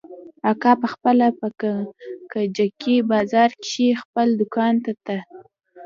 اکا پخپله په کجکي بازار کښې خپل دوکان ته ته.